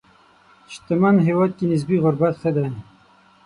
شتمن هېواد کې نسبي غربت ښه دی.